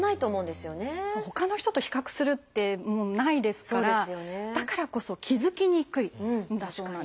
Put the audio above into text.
ほかの人と比較するってないですからだからこそ気付きにくいんだそうなんです。